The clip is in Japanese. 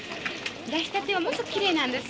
出したてはもっときれいなんです。